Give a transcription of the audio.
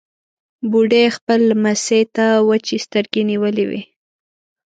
بوډۍ خپلې لمسۍ ته وچې سترګې نيولې وې.